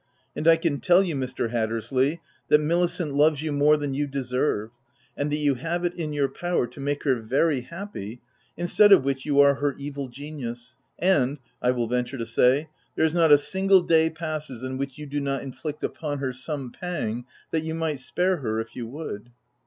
— And I can tell you, Mr. Hat tersley, that Milicent loves you more than you deserve, and that you have it in your power to make her very happy, instead of which you are her evil genius, and, I will venture to say, there is not a single day passes in which you do not inflict upon her some pang that you might spare her if you would."